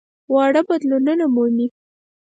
واړه بدلونونه مومي.